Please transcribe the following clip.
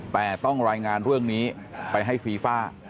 แต่ต้องรายงานเรื่องนี้ไปให้ฟีฟ่า